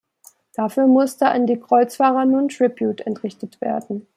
Dafür musste an die Kreuzfahrer nun Tribute entrichtet werden.